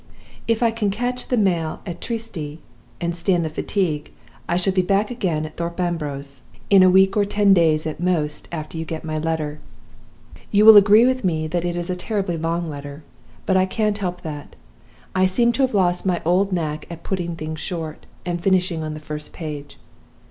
If I can catch the mail at Trieste, and stand the fatigue, I shall be back again at Thorpe Ambrose in a week or ten days at most after you get my letter. You will agree with me that it is a terribly long letter. But I can't help that. I seem to have lost my old knack at putting things short, and finishing on the first page.